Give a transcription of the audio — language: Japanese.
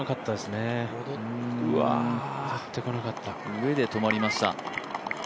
上で止まりました。